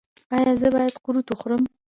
ایا زه باید قروت وخورم؟